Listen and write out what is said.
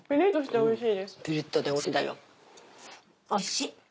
おいしい。